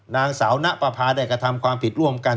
นางสาวณปภาได้กระทำความผิดร่วมกัน